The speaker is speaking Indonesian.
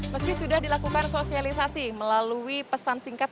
meski sudah dilakukan sosialisasi melalui pesan singkat